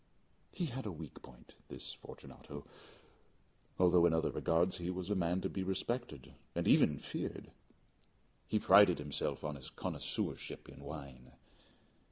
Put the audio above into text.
He had a weak point this Fortunato although in other regards he was a man to be respected and even feared. He prided himself on his connoisseurship in wine.